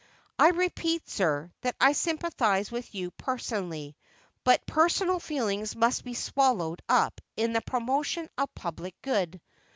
I repeat, sir, that I sympathize with you personally, but personal feelings must be swallowed up in the promotion of public good.